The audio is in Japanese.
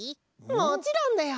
もちろんだよ！